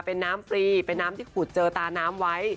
เป็นน้ำฟรีเป็นน้ำที่ขุดเจอตาน้ำไว้